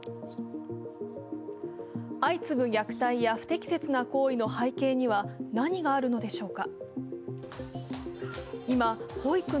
相次ぐ虐待や不適切な行為の背景には何があるのでしょうか。